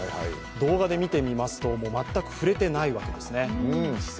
動画で見てみますと全く触れていないわけですね。